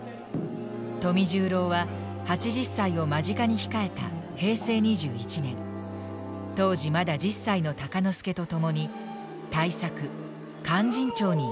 富十郎は８０歳を間近に控えた平成２１年当時まだ１０歳の鷹之資と共に大作「勧進帳」に挑みました。